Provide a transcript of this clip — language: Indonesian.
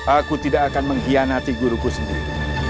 aku tidak akan mengkhianati guruku sendiri